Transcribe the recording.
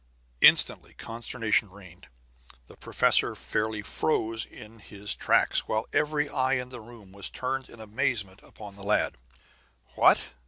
Instantly consternation reigned. The professor fairly froze in his tracks, while every eye in the room was turned in amazement upon the lad. "What!"